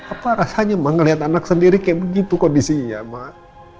apa rasanya mang melihat anak sendiri kayak begitu kondisinya mak